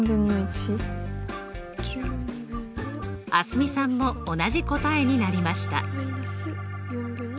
蒼澄さんも同じ答えになりました。